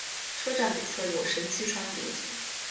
车站北侧有神崎川流经。